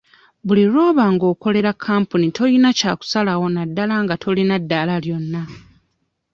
Buli lw'oba ng'okolera kampuni tolina ky'osalawo naddala nga tolina ddaala lyonna.